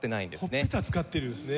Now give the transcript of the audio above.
ほっぺた使ってるんですね。